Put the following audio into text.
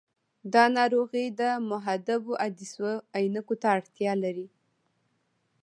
دا ناروغي د محدبو عدسیو عینکو ته اړتیا لري.